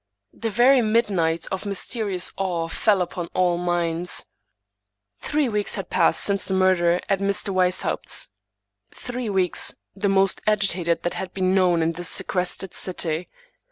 The very midnight of mysterious awe fell upon all minds. Three weeks had passed since the murder at Mr. Weis haupt's — ^three weeks the most agitated that had been known in this sequestered city.